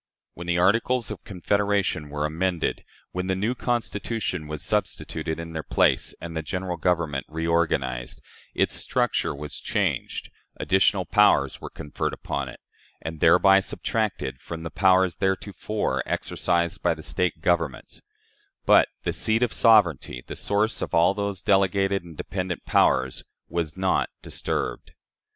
When the Articles of Confederation were amended, when the new Constitution was substituted in their place and the General Government reorganized, its structure was changed, additional powers were conferred upon it, and thereby subtracted from the powers theretofore exercised by the State governments; but the seat of sovereignty the source of all those delegated and dependent powers was not disturbed.